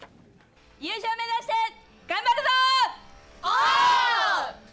優勝目指して頑張るぞ。